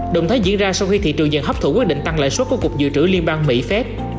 động thái diễn ra sau khi thị trường dần hấp thủ quyết định tăng lãi suất của cục dự trữ liên bang mỹ phép